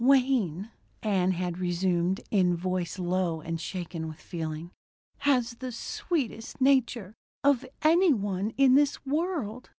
"Wayne," Ann had resumed, in voice low and shaken with feeling, "has the sweetest nature of any one in this world.